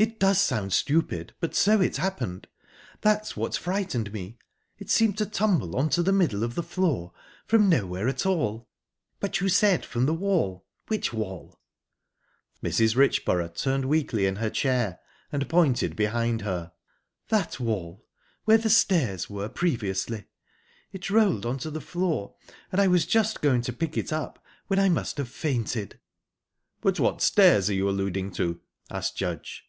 "It does sound stupid, but so it happened. That's what frightened me. It seemed to tumble on to the middle of the floor, from nowhere at all." "But you said from the wall. Which wall?" Mrs. Richborough turned weakly in her chair, and pointed behind her. "That wall. Where the stairs were previously. It rolled on to the floor, and I was just going to pick it up when I must have fainted." "But what stairs are you alluding to?" asked Judge.